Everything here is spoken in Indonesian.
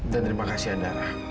dan terima kasih andara